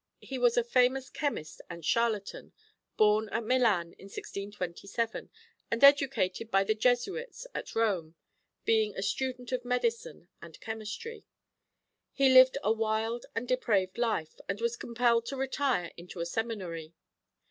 He was a famous chemist and charlatan, born at Milan in 1627, and educated by the Jesuits at Rome, being a student of medicine and chemistry. He lived a wild and depraved life, and was compelled to retire into a seminary.